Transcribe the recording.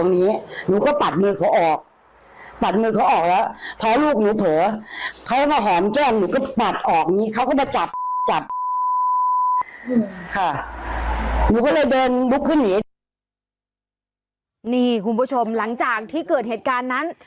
นี่คุณผู้ชมหลังจากที่เกิดเหตุการณ์นั้น